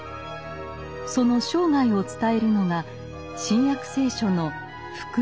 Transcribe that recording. その生涯を伝えるのが「新約聖書」の「福音書」です。